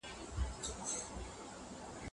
ماسومان په مکتب کي په سوق درس لولي.